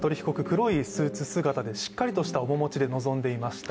黒いスーツ姿で、しっかりとした面持ちで臨んでいました。